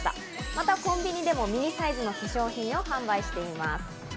またコンビニでもミニサイズの化粧品を販売しています。